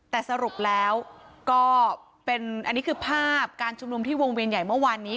แต่สรุปแล้วก็เป็นอันนี้คือภาพการชุมนุมที่วงเวียนใหญ่เมื่อวานนี้